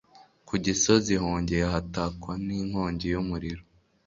ku Gisozi hongeye hatakwa n'inkongi y' umuriro